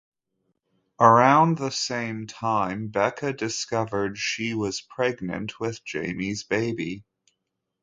Around the same time, Becca discovered she was pregnant with Jamie's baby.